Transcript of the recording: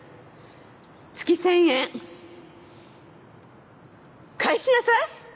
月１０００円返しなさい！